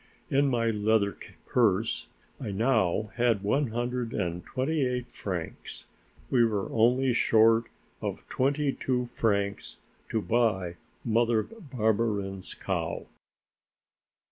In my leather purse I now had one hundred and twenty eight francs. We were only short of twenty two francs to buy Mother Barberin's cow.